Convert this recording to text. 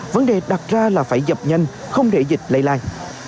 vấn đề đặt ra là phải dập nhanh không để dịch lây lan